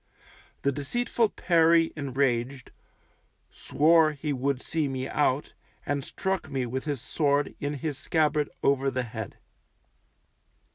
The deceitful Perry enraged, swore he would see me out, and struck me with his sword in his scabbard over the head.